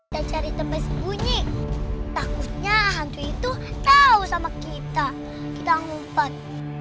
dan cari tempat sembunyi takutnya itu tahu sama kita kita ngumpet